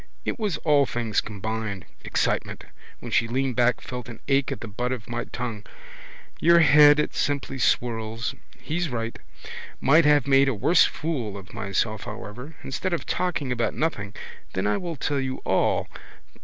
It was all things combined. Excitement. When she leaned back, felt an ache at the butt of my tongue. Your head it simply swirls. He's right. Might have made a worse fool of myself however. Instead of talking about nothing. Then I will tell you all.